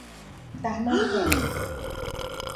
Tamaha beni.